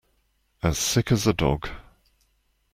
As sick as a dog.